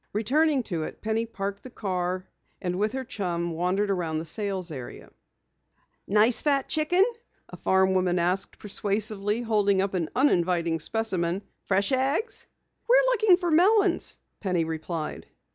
Returning to it, Penny parked the car, and with her chum wandered about the sales area. "A nice fat chicken?" a farm woman asked persuasively, holding up an uninviting specimen. "Fresh eggs?" "We're looking for melons," Penny replied.